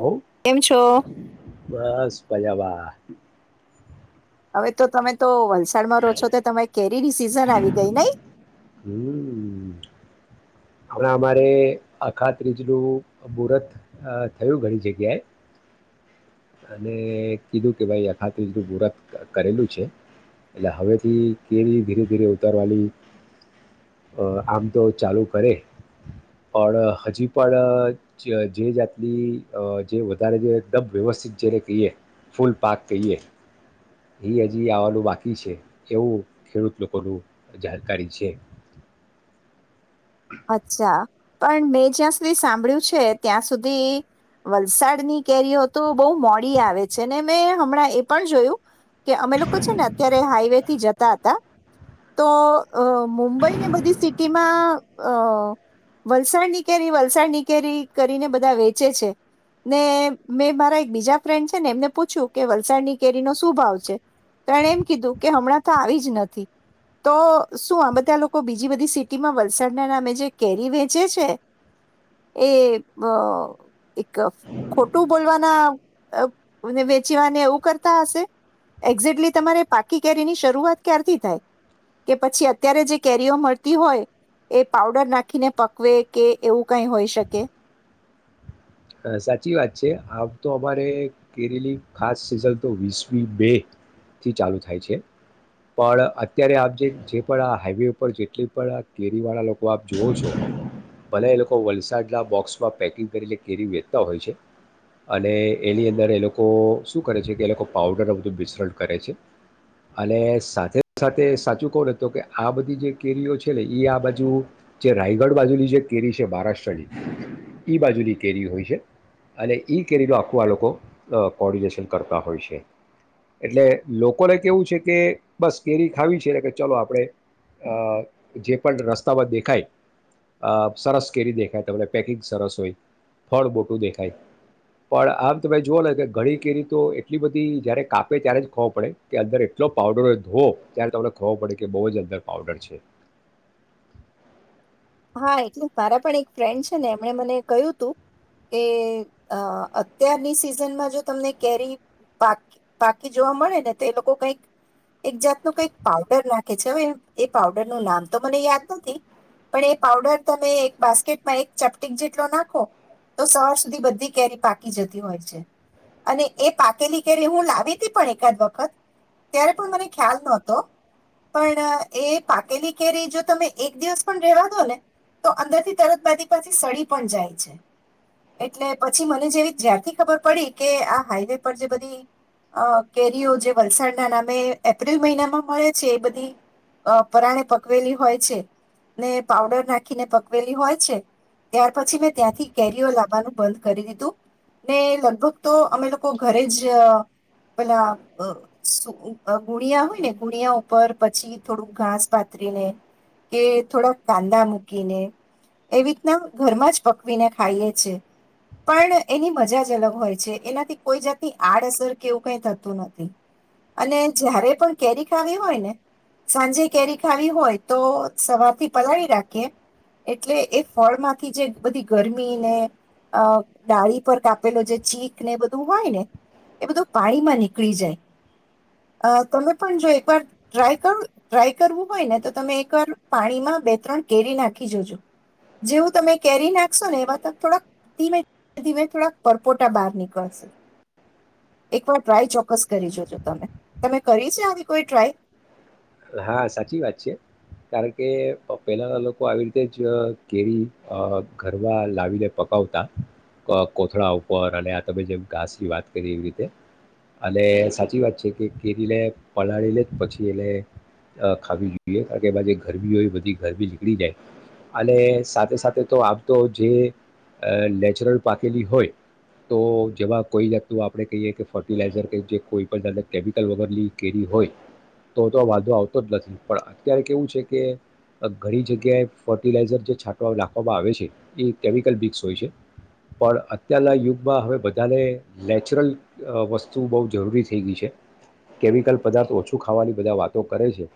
હો કેમ છો? બસ મજા મા હવે તો તમે તો વલસાડમાં રો છો તો તમે કેરી સીઝન જરા આવી ગઈ નઈ. હ. હમણા અમારે અખા ત્રીજનું મુહૂર્ત અ થયું ઘણી જગ્યાએ અને કીધું કે ભાઈ અખાત્રીજ મુરત કરેલું છે એટલે હવેથી કેરી ધીરે ધીરે ઉતારવાની અ આમ તો ચાલુ કરે પણ હજી પણ જે જાતની અ જે વધારે જે દબ વ્યવસ્થિત જ્યારે કહીએ ફૂલ પાક કહીએ. એ હજી આવાનું બાકી છે એવું ખેડૂત લોકોનું જાણકારી છે. અચ્છા. પણ મેં જ્યાં સુધી સાંભળ્યું છે ત્યાં સુધી વલસાડની કેરીઓ તો બહુ મોડી આવે છે ને મેં હમણાં એ પણ જોયું કે અમે લોકો છે ને અત્યારે હાઈવે.. થી જતા હતા તો અ મુંબઈ ને બધી સિટીમાં અ વલસાડ ની કેરી વલસાડ ની કેરી કરીને બધા વેચે છે ને મેં મારા એક બીજા ફ્રેન્ડ છે ને એમને પૂછ્યું કે વલસાડ ની કેરી નો શું ભાવ છે તો એણે એમ કીધું કે હમણાં તો આવી જ નથી તો શું આ બધા લોકો બીજી બધી સિટીમાંસા ના અ જે કેરી વેચે છે એ એક ખોટું બોલવાના વેચીવાને એવું કરતા હશે એક્ઝેક્ટલી તમારે પાકી કેરી ની શરૂઆત ક્યારથી થાય કે પછી અત્યારે જે કેરીઓ મળતી હોય એ પાવડર નાખીને પકવે કે એવું કંઈ હોઈ શકે સાચી વાત છે આ તો અમારે કેરીની ખાસ સિઝન તો વીસમી બે થી ચાલુ થાય છે પણ અત્યારે આપ જે જે પણ આ હાઈવે ઉપર જેટલી પણ કેરી વાળા લોકો આપ જોવો છો બધ એ લોકો વલસાડના બોક્સમાં પેકિંગ કરીને કેરી વેચતા હોય છે અને એની અંદર એ લોકો શું કરે છે કે એ લોકો પાવડરનું બધું મિશરણ કરે છે અને સાથે સાથે સાચું કહું ને તો કે આ બધી જે કેરીઓ છે ને એ આ બાજુ જે રાયગઢ બાજુની જે કેરી છે મહારાષ્ટ્રની એ બાજુની.. કેરી હોય છે અને એ કેરીનો આખવા લોકો કોર્ડિનેશન કરતા હોય છે એટલે લોકોને કેવું છે કે બસ કેરી ખાવી છેને કે ચલો આપણે અ જે પણ રસ્તામાં દેખાય અ સરસ કેરી દેખાય તમને પેકિંગ સરસ હોય ફળ મોટું દેખાય પણ આમ તમે જોઓ ને કે ઘણી કેરી તો એટલી બધી જયારે કાપે ત્યારે જ ખોવો પડે કે અંદર એટલો પાવડર હોય ધોવો ત્યારે તમને ખોવો પડે કે બહુ જ અંદર પાવડર છે હા એટલે મારા પણ એક ફ્રેન્ડ છે ને એમણે મને કહ્યું હતું કે અ અત્યારની સિઝનમાં જો તમને કેરી પાકી પાકી જોવા મળે ને તો એ લોકો કઈક એક જાત ન કઈક પાવડર નાખે છે હવે એ પાવડર નું નામ તો મને યાદ નથી પણ એ પાવડર તમે એક બાસ્કેટમાં એક ચપટીક જેટલો નાખો તો સવાર સુધી બધી કેરી પાકી જતી હોય છે અને એ પાકેલી કેરી હું લાવી હતી પણ એકાદ વખત ત્યારે પણ મને ખ્યાલ નહોતો પણ એ પાકેલી કેરી જો તમે એક દિવસ પણ રહેવા તો અંદર થી તરત બાજી પાછથી સડી પણ જાય છે એટલે પછી મને જેવી જ્યારથી ખબર પડી કે આ હાઈવે પર જે બધી અ કેરીઓ જે વલસાડના નામે એપ્રિલ મહિનામાં મળે છે એ બધીઅ પરાણે પકવેલી હોય છે ને પાવડર નાખીને પકવેલી હોય છે ત્યાર પછી મેં ત્યાંથી કેરીઓ લાવવાનું બંધ કરી દીધું ને લગભગ તો અમે લોકો ઘરે જ પેલા અ ઉગુણિયા હોય ને ગુણિયા ઉપર પછી થોડું ઘાસ પાતરીને કે થોડાક કાંદા મૂકીને એવી રીતના ઘરમાં જ પકવીને ખાઈએ છે પણ એની મજા જ અલગ હોય છે એનાથી કોઈ જાતની આડઅસર કેવું કઈ થતું નથી અને જારે પણ કેરી ખાવી હોય ને સાંજે કેરી ખાવી હોય તો સવારથી પલાળેલી રાખીએ એટલે એ ફળમાંથી જે બધી ગરમી ને અ ડાળી પર કાપેલો જે ચીખ ને બધું હોય ને એ બધું પાણીમાં નીકળી [unintelligible] તમે પણ જો એકવાર ટ્રાય કરું ટ્રાય કરવું હોય ને તો તમે એકવાર પાણીમાં બે ત્રણ કેરી નાખી જોજો જેવું તમે કેરી નાખશો ને એવા ત થોડાક ધીમે ધીમે થોડાક પરપોટા બહાર નીકળશે એકવાર ટ્રાય ચોક્કસ કરી જોજો તમે તમે કરી છે આવી કોઈ ટ્રાય હા સાચી વાત છે કારણ કે પહેલાના લોકો આવી રીતે જ કેરી ઘરમાં લાવીને પકાવતા કોથળા ઉપર અને આ તમે જેમ ઘાસની વાત કરી એવી રીતે અને સાચી વાત છે કે કેરીને પલાળી લે જ પછી એને ખાવી જોઈએ કારણ કે એમાં જે ગરબી હોય બધી ગરબી નીકળી જાય અને સાથે સાથે તો આમ તો જે અ નેચરલ પાકેલી હોય તો જેમાં કોઈ જાાગત આપણે કહીએ કે ફર્ટિલાઈઝર કે જે કોઈ પણ જા કેમિકલ વગરની કેરી હોય તો તો વાંધો આવતો જ નથી પણ અત્યારે કેવું છે કે ઘણી જગ્યાએ ફર્ટિલાઇઝર જે છાંટવા નાખવામાં આવે છે એ કેમિકલ બિક્સ હોય છે પણ અત્યારના યુગમાં હવે બધાને નેચરલ વસ્તુ બહુ જરૂરી થઈ ગઈ છે કેમિકલ પદાર્થ ઓછું ખાવાની બધા વાત કરે છે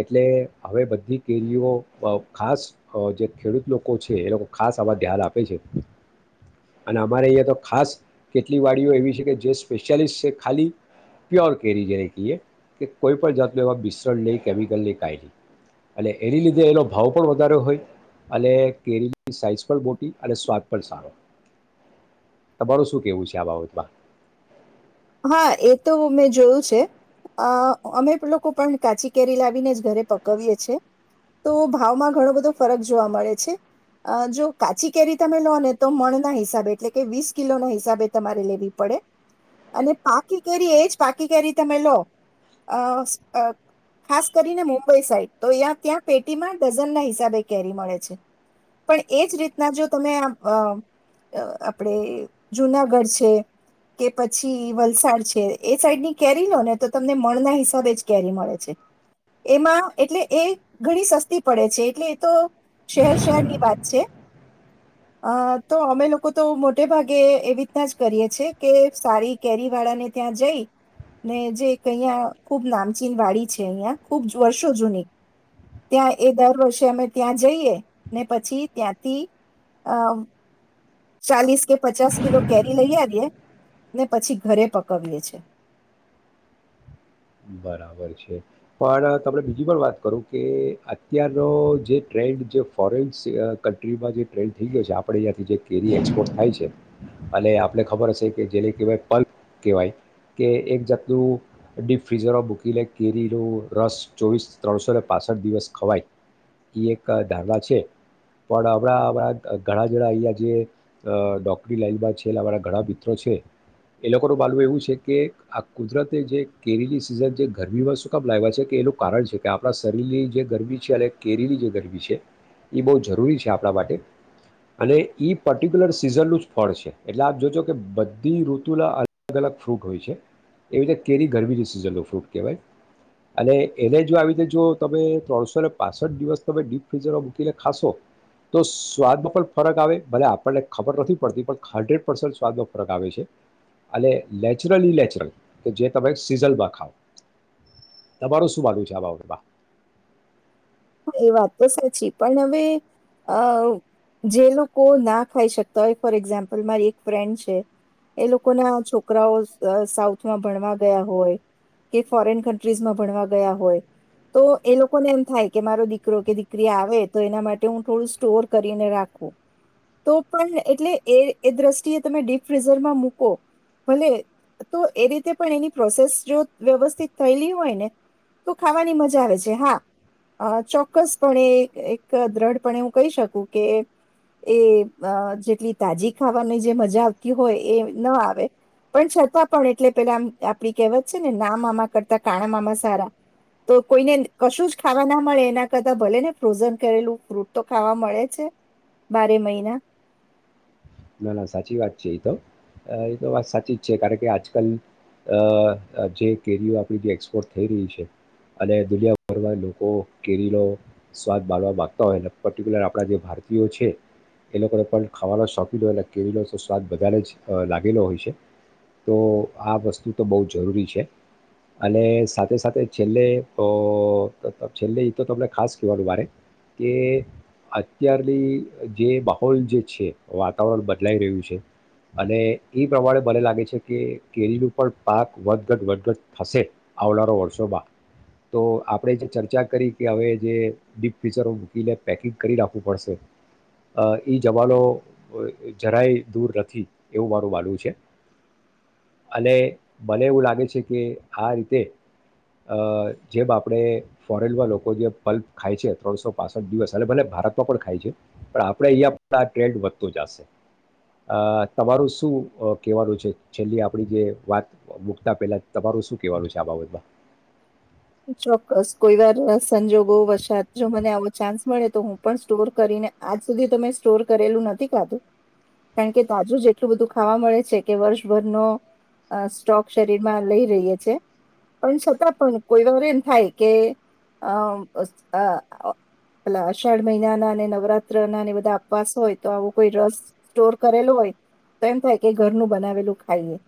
એટલે હવે બધી કેરીઓ ખાસ અ જે ખેડૂત લોકો છે એ લોકો ખાસ આવા ધ્યાન આપે છે અને અમારે અહીયાં તો ખાસ કેટલી વાડીઓ એવી છે કે જે સ્પેશિયાલિસ્ટ છે ખાલી પ્યોર કેરી જેને કહીએ કે કોઈ પણ જાત એવા મિશ્રણ લઈ કેમિકલ લઈ કાયરી અને એની લીધે એનો ભાવ પણ વધારે હોય અને કેરી સાઈઝ પણ મોટી અને સ્વાદ પણ સારો તમારું શું કેવું છે આ બાબતમાં હા એ તો મેં જોયું છે અ અમે લોકો પણ કાચી કેરી લાવીને જ ઘરે પકવીએ છેએ તો ભાવમાં ઘણો બધો ફરક જોવા મળે છે અ જો કાચી કેરી તમે લો ને તો મણ ના હિસાબે એટલે કે વીસ કિલો ના હિસાબે તમારે લેવી પડે અને પાકી કેરી એ જ પાકી કેરી તમે લો ખાસ કરીને અઅ મુંબઈ સાઈડ તો ત્યાં ત્યાં પેટીમાં ડઝન ના હિસાબે કેરી મળે છે પણ એજ રીતના જો તમે આ અ આપણે જુનાગઢ છે કે પ પછી વલસાડ છે એ સાઈડ ની કેરી લો ને તો તમને મણના હિસાબે જ કેરી મળે છે એમાં એટલે એ ઘણી સસ્તી પડે છે એટલે એ તો શહેર શહેરની વાત છે અ તો અમે લોકો તો મોટે ભાગે એવી રીતના જ કરીએ છેએ કે. સારી કેરી વાળા ને ત્યાં જઈ ને જે અહિયાં ખૂબ નામચીન વાડી છે અહિયાં ખૂબ વર્ષો જૂની ત્યાં એ દર વર્ષે અમે ત્યાં જઈએ ને પછી ત્યાંથી અ. ચાલીસ કે પચાસ કિલો કેરી લઈ આ દએ ને પછી ઘરે પકવીએે છે. બરાબર છે પણ તમે બીજી પણ વાત કરું કે અત્યારનો જે ટ્રેન્ડ જે ફોરેન કન્ટ્રીમાં જે ટ્રેન્ડ થઈ ગયો છે આપણે અહીંયાથી જે કેરી એક્સપોર્ટ થાય છે અને આપને ખબર હશે કે જેને કહેવાય પલ્ક કહેવાય કે એક જાતનું ડિફ. ફ્રીઝરોમાં મૂકી લે કેરીનો રસ ચોવીસ ત્રણસો ને પાંસઠ દિવસ ખવાય એ એક ધારણા છે પણ હમણાં અણાં ઘણા જણા અહીંયા જે નોકરી લાઈમાં છેલ્લે અમારા ઘણા મિત્રો છે એ લોકોનું માલવું એવું છે કે આ કુદરતે જે. કેરીની સિઝન જે ગરમીમાં શું કામ લાવવા છે કે એનું કારણ છે કે આપણા શરીરની જે ગરમી છે અને કેરીની જે ગરમી છે એ બહુ જરૂરી છે આપણા માટે અને એ પર્ટિક્યુલર સિઝનનું જ ફળ છે એટલે આપ જોજો કે બધી ઋતુલા અલગ અલગ ફ્રૂટ હોય છે એવી રીતે કેરી. ગરમીની સિઝનનો ફ્રૂટ કહેવાય અને એને જો આવી રીતે જો તમે ત્રણસો ને પાંસઠ દિવસ તમે ડીપ ફ્રીઝરમાં મૂકીને ખાશો તો સ્વાદમાં પણ ફરક આવે ભલે આપણને ખબર નથી પડતી પણ હન્ડ્રેડ પર્સન્ટ સ્વાદમાં ફરક આવે છે અને નેચરલી ઇ નેચરલ કે જે. તમે સીઝલમાં ખાવ તમારો શું વાંધું છે આ બા. હા એ વાત તો સાચી પણ હવે અ જે લોકો ના ખાઈ શકતા હોય ફોર એક્ઝામ્પલ મારી એક ફ્રેન્ડ છે એ લોકો ના છોકરાઓ સાઉથમાં ભણવા ગયા હોય કે ફોરેન કન્ટ્રીઝમાં ભણવા ગયા હોય તો એ લોકોને એમ થાય. કે મારો દીકરો કે દીકરી આવે તો એના માટે હું થોડું સ્ટોર કરીને રાખું તો પણ એટલે એ એ દ્રષ્ટિએ તમે ડીપ ફ્રીઝરમાં મૂકો ભલે તો એ રીતે પણ એની પ્રોસેસ જો વ્યવસ્થિત થયેલી હોય ને તો ખાવાની મજા આવે છે હા. અ ચોક્કસપણે એક દ્રઢ પણ હું કહી શકું કે એ એજેટલી તાજી ખાવાની જે મજા આવતી હોય એ ન આવે પણ છતાં પણ એટલે પેલામ આપડી કહેવત છે ને ના મામા કરતા કાણા મામા સારા તો કોઈને કશું જ. ખાવા ના મળે એના કરતા ભલે ને ફ્રોઝન કરેલું ફ્રૂટ તો ખાવા મળે છે બારે મહિના. ના ના સાચી વાત છે એ તો એ તો વાત સાચી જ છે કારણ કે આજકાલ અ જે કેરીઓ આપણી જે એક્સપોર્ટ થઈ રહી છે અને દુનિયાભરમાં લોકો કેરીનો સ્વાદ બાળવા માંગતા હોય પર્ટિક્યુલર આપણા જે ભારતીયો છે એ લોકોને પણ ખાવાનો શોખ. લો અને કેરીલો તો સ્વાદ વધધારે જ લાગેલો હોય છે તો આ વસ્તુ તો બહુ જરૂરી છે અને સાથે સાથે છેલ્લે છેલ્લે એ તો તમને ખાસ કહેવાનું મારે કે અત્યારની જે માહોલ જે છે. વાતાવરણ બદલાઈ રહ્યું છે અને એ પ્રમાણે મને લાગે છે કે કેરીનું પણ પાક વધઘટ વધઘટ થશે આવનારા વર્ષોમાં તો આપણે જે ચર્ચા કરી કે હવે જે ડીપ ફીચરો મૂકીને પેકિંગ કરી રાખવું પડશે એ જમાનો. ઓ એ જરાય દૂર નથી એવું મારું માનવું છે. અને મને એવું લાગે છે કે આ રીતે અહ જેમ આપણે ફોરેનમાં લોકો જે પલ્પ ખાય છે ત્રણસો પાસઠ દિવસ અને ભલે ભારતમાં પણ ખાય છે પણ આપણે અહીંયા આ ટ્રેન્ડ તો જાશે. અહ તમારું શું અહ કેવાનું છે છેલ્લી આપડી જે વાત મુકતા પેલા તમારું શું કેવાનું છે આ બાબતમાં. ચોક્કસ કોઈ વાર સંજોગો વસાત જો મને આવો ચાન્સ મળે તો હું પણ સ્ટોર કરીને આજ સુધી તોં સ્ટોર કરેલું નથી ખાધું. કારણ કે તાજું જ એટલું બધું ખાવા મળે છે કે વર્ષભરનો અહ સ્ટોક શરીરમાં લઈ રહીએ છે પણ છતાં પણ કોઈ વાર એમ થાય કે અહ ઉસ અહ અષાઢ મહિના ના ને નવરાત્ર ના બધા અવાસ હોય તો આવો કોઈ રસ સ્ટોર કરેલો હોય તો એમ થાય કે ઘરનું બનાવેલું ખાઈએ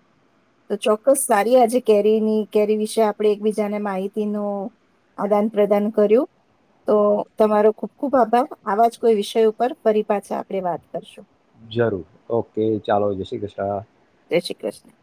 તો ચોક્કસ સારી આજે કેરીની કેરી વિશે આપણે એકબી જેને માહિતી નું આદાન પ્રદાન કર્યું. તો તમારો ખુબ ખુબ આભાર આવા જ કોઈ વિષય ઉપર ફરી પાછા આપણે વાત કરશું. જરૂર. ઓકે ચાલો, જય શ્રી કૃષ્ણ. શ્રી કૃષ્ણ.